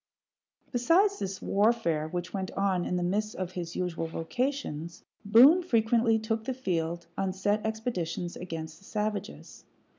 Besides this warfare, which went on in the midst of his usual vocations, Boone frequently took the field on set expeditions against the savages.